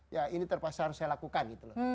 ya ini terpaksa harus saya lakukan